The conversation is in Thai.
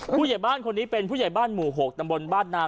ผู้ใหญ่บ้านคนนี้เป็นผู้ใหญ่บ้านหมู่๖ตำบลบ้านนา